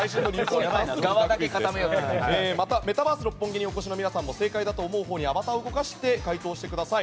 またメタバース六本木にお越しの皆さんも正解だと思うほうにアバターを動かして解答してください。